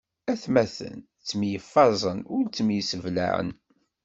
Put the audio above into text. Atmaten ttemyeffaẓen, ur ttemseblaɛen.